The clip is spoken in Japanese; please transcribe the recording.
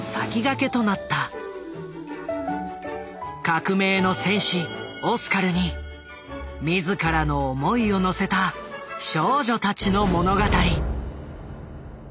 革命の戦士オスカルに自らの思いをのせた少女たちの物語。